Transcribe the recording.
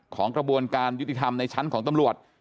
ของกระบวนการยุติธรรมในชั้นของตำรวจ